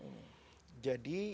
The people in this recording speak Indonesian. jadi yang terbaik adalah semakin banyak